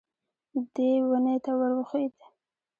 دی ونې ته ور وښوېد.